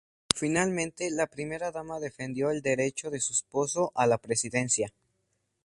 Finalmente la Primera dama defendió el derecho de su esposo a la Presidencia.